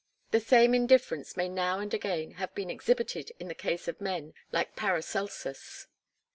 The same indifference may now and again have been exhibited in the case of men like Paracelsus.